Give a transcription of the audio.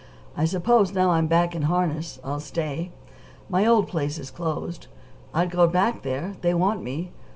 I suppose, now I'm back in harness, I'll stay. My old place is closed. I'd go back there they want me.